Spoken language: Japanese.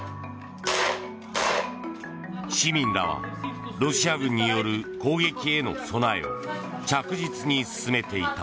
市民らはロシア軍による攻撃への備えを着実に進めていた。